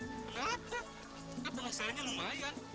loh kenapa kan penghasilannya lumayan